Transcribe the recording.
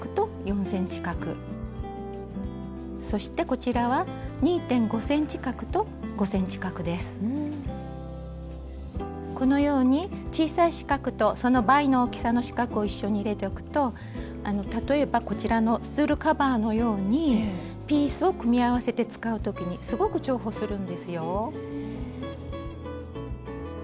こちらの缶には次はそしてこちらはこのように小さい四角とその倍の大きさの四角を一緒に入れておくと例えばこちらのスツールカバーのようにピースを組み合わせて使う時にすごく重宝するんですよ。